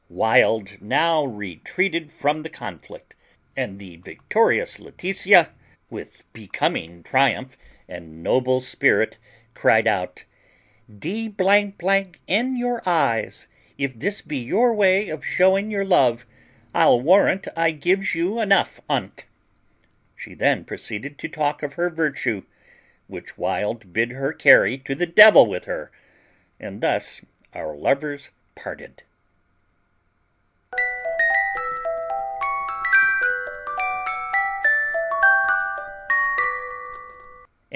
Wild now retreated from the conflict, and the victorious Laetitia, with becoming triumph and noble spirit, cried out, "D n your eyes, if this be your way of shewing your love, I'll warrant I gives you enough on't." She then proceeded to talk of her virtue, which Wild bid her carry to the devil with her, and thus our lovers parted.